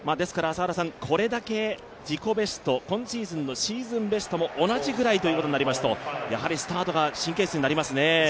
これだけ自己ベスト、今シーズンのシーズンベストも同じぐらいとなりますとやはりスタートが神経質になりますね。